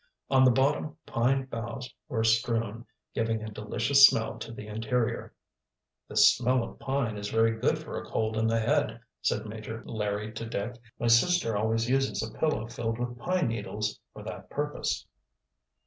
On the bottom pine boughs were strewn, giving a delicious smell to the interior. "This smell of pine is very good for a cold in the head," said Major Larry to Dick. "My sister always uses a pillow filled with pine needles for that purpose."